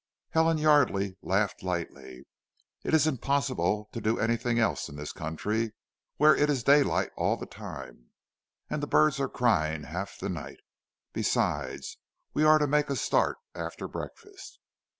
Helen Yardely laughed lightly. "It is impossible to do anything else in this country, where it is daylight all the time, and birds are crying half the night. Besides we are to make a start after breakfast."